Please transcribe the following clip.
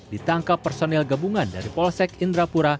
ditangkap personil gabungan dari polsek indrapura